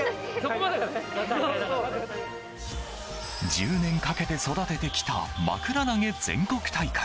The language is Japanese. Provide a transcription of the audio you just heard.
１０年かけて育ててきたまくら投げ全国大会。